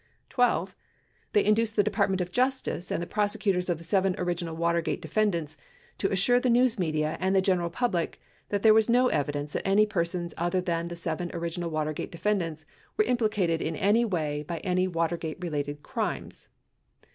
12. They induced the Department of Justice and the prosecutors of the seven original Watergate defendants to assure the news media and the general public that there was no evidence that any persons other than the seven original Watergate defendants were implicated in any way in any Watergate related crimes.